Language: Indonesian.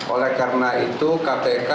oleh karena itu kpk